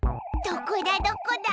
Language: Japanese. どこだどこだ？